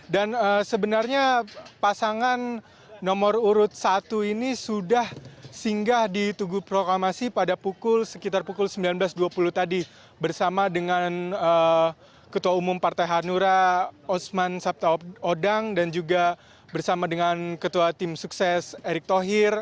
dan sebenarnya pasangan nomor urut satu ini sudah singgah di tugu proklamasi pada pukul sekitar pukul sembilan belas dua puluh tadi bersama dengan ketua umum partai hanura osman sabtawodang dan juga bersama dengan ketua tim sukses erick thohir